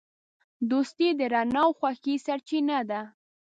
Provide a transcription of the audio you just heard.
دوستي د رڼا او خوښۍ سرچینه ده.